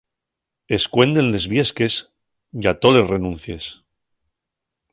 Escuenden les viesques yá toles renuncies.